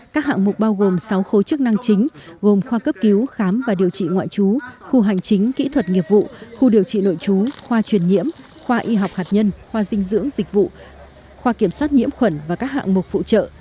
các hạng mục bao gồm sáu khối chức năng chính gồm khoa cấp cứu khám và điều trị ngoại trú khu hành chính kỹ thuật nghiệp vụ khu điều trị nội trú khoa truyền nhiễm khoa y học hạt nhân khoa dinh dưỡng dịch vụ khoa kiểm soát nhiễm khuẩn và các hạng mục phụ trợ